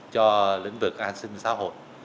cho lĩnh vực an sinh xã hội